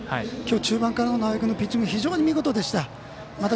中盤からの直江君のピッチング非常に見事でした。